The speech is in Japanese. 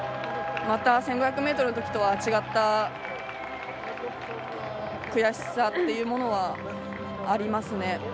また１５００ｍのときとは違った悔しさっていうものはありますね。